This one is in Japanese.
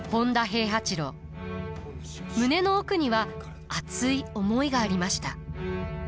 胸の奥には熱い思いがありました。